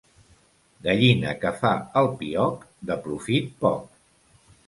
Gallina que fa el pioc, de profit poc.